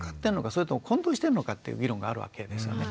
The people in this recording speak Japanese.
それとも混同してるのかっていう議論があるわけですよね。